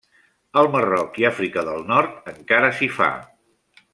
Al Marroc i Àfrica del Nord encara s'hi fa.